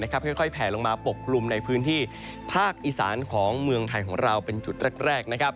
ค่อยแผลลงมาปกกลุ่มในพื้นที่ภาคอีสานของเมืองไทยของเราเป็นจุดแรก